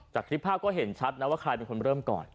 จากคลิปภาพก็เห็นชัดนะว่าใครเป็นคนเริ่มก่อน